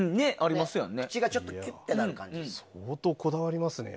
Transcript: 口がちょっとキュッてなる感じ。